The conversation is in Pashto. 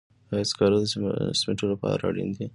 آیا سکاره د سمنټو لپاره اړین دي؟